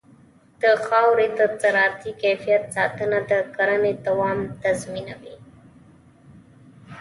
د خاورې د زراعتي کیفیت ساتنه د کرنې دوام تضمینوي.